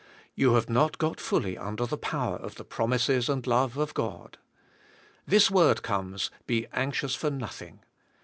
You have not g ot fully under the power of the promises and love of God. This word comes, '*Be anxious for nothing"."